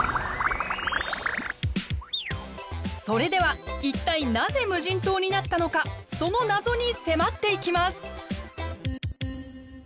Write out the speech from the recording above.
それでは一体なぜ無人島になったのかその謎に迫っていきます！